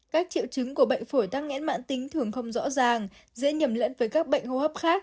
các triệu chứng của bệnh phổi tắc nghẽn mạng tính thường không rõ ràng dễ nhầm lẫn với các bệnh hô hấp khác